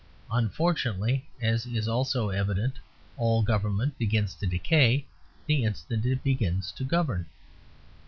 Unfortunately (as is also evident) all government begins to decay the instant it begins to govern.